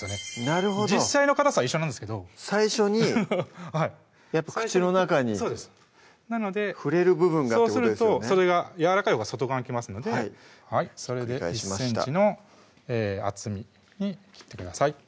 なるほど実際のかたさは一緒なんですけど最初に口の中にそうですなのでそうするとそれが柔らかいほうが外側に来ますのでそれで１ｃｍの厚みに切ってください